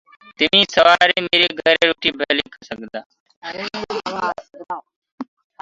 تمينٚ ميري گھري سورآري روٽي کآوآ آ سڪدآ هو۔